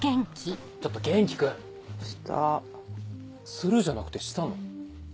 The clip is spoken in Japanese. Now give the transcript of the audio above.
「する」じゃなくて「した」の？